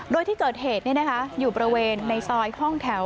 โดยที่เกิดเหตุอยู่บริเวณในซอยห้องแถว